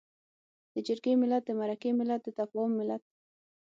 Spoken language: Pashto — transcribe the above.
د جرګې ملت، د مرکې ملت، د تفاهم ملت.